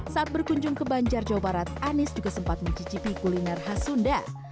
saat berkunjung ke banjar jawa barat anies juga sempat mencicipi kuliner khas sunda